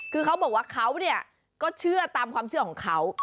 คือเขาบอกว่าเขาก็เชื่อตามความเชื่อของเขา